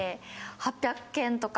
８００件か。